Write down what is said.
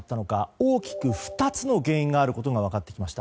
大きく２つの原因があることが分かってきました。